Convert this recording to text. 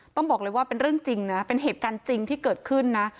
ต้องบอกเลยว่าเป็นเรื่องจริงนะเป็นเหตุการณ์จริงที่เกิดขึ้นนะ